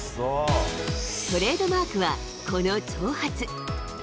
トレードマークは、この長髪。